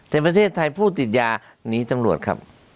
แต่ประเทศไทยผู้ติดยาหนีตำรวจครับ